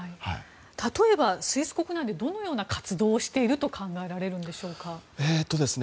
例えば、スイス国内でどのような活動をしていると考えられるんでしょうか。